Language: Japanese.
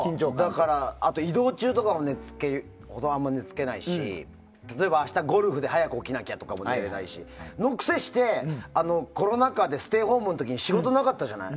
だから、移動中とかも寝付けないし例えば、明日ゴルフで早く起きなきゃの時も寝れないしそのくせして、コロナ禍でステイホームの時仕事がなかったじゃない。